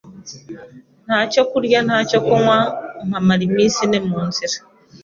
nta cyo kurya nta cyo kunywa nkamara iminsi ine mu nzira